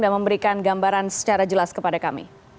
dan memberikan gambaran secara jelas kepada kami